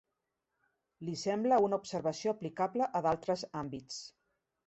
Li sembla una observació aplicable a d'altres àmbits.